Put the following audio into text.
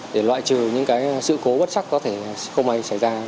để loại trừ những sự cố bất sắc có thể không ai xảy ra